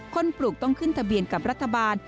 ปลูกต้องขึ้นทะเบียนกับรัฐบาล